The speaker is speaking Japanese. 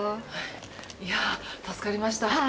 いや助かりました。